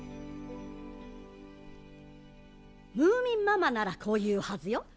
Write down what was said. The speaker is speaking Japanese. ムーミンママならこう言うはずよ。